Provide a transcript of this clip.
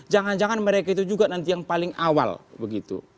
jangan jangan mereka itu juga nanti yang paling awal begitu